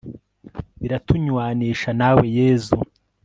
biratunywanisha nawe yezu